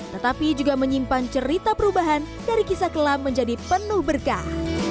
tetapi juga menyimpan cerita perubahan dari kisah kelam menjadi penuh berkah